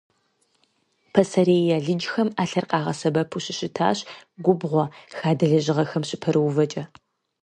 Пасэрей алыджхэм ӏэлъэр къагъэсэбэпу щыщытащ губгъуэ, хадэ лэжьыгъэхэм щыпэрыувэкӏэ.